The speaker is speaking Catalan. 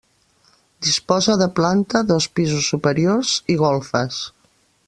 Disposa de planta, dos pisos superiors i golfes.